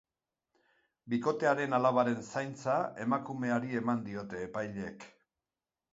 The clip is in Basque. Bikotearen alabaren zaintza emakumeari eman diote epaileek.